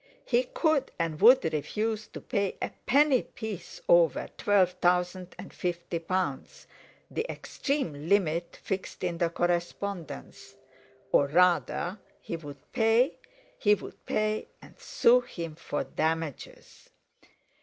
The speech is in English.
He could and would refuse to pay a penny piece over twelve thousand and fifty pounds—the extreme limit fixed in the correspondence; or rather he would pay, he would pay and sue him for damages.